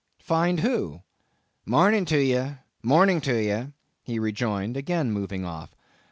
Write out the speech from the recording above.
"Find who?" "Morning to ye! morning to ye!" he rejoined, again moving off.